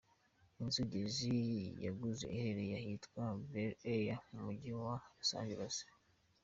Inzu Jay-Z yaguze iherereye ahitwa Bel Air mu Mujyi wa Los Angeles.